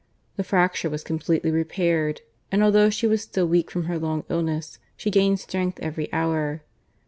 The fracture was completely repaired; and although she was still weak from her long illness, she gained strength every hour.